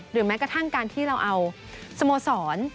แม้กระทั่งการที่เราเอาสโมสร